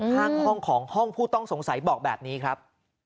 ข้างห้องของห้องผู้ต้องสงสัยบอกแบบนี้ครับ